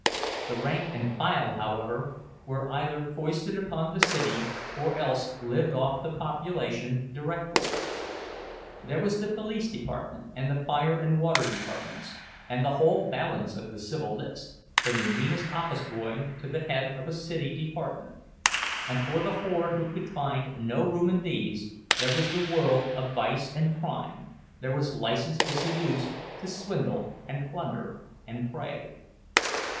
The rank and file, however, were either foisted upon the city, or else lived off the population directly. There was the police department, and the fire and water departments, and the whole balance of the civil list, from the meanest office boy to the head of a city department; and for the horde who could find no room in these, there was the world of vice and crime, there was license to seduce, to swindle and plunder and prey.